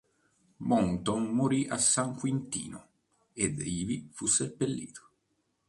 Mouton morì a San Quintino ed ivi fu seppellito.